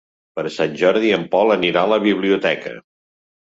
Per Sant Jordi en Pol anirà a la biblioteca.